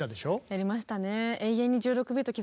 やりましたね。